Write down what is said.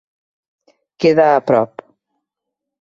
Queda a prop.